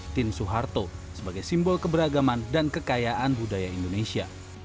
tin soeharto sebagai simbol keberagaman dan kekayaan budaya indonesia